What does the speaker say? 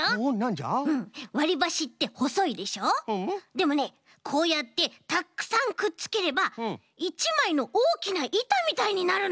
でもねこうやってたくさんくっつければ１まいのおおきないたみたいになるの。